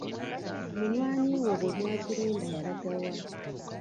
Munywanyi wo bwe mwazirunda yalagawa?